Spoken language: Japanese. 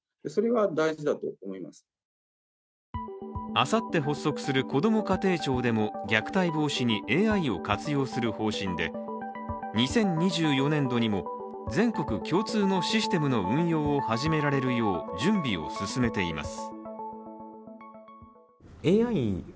あさって発足する、こども家庭庁でも虐待防止にＡＩを活用する方針で２０２４年度にも全国共通のシステムの運用を始められるよう、準備を進めています。